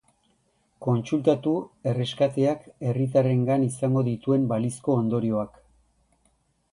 Kontsultatu erreskateak herritarrengan izango dituen balizko ondorioak.